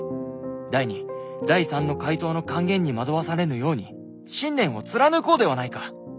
第２第３の怪盗の甘言に惑わされぬように信念を貫こうではないか。